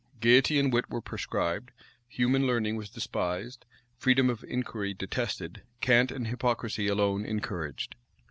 Gayety and wit were proscribed; human learning despised; freedom of inquiry detested; cant and hypocrisy alone encouraged.